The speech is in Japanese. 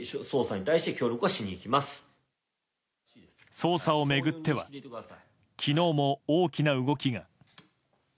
捜査を巡っては昨日も大きな動きが。